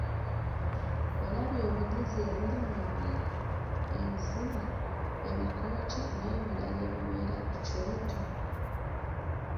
Olabye obunyuvu obuli mu ngero, enfumo, ebikokyo nebirala ebibeera ku kyoto?